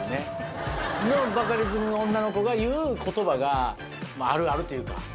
バカリズムの女の子が言う言葉がまああるあるというか。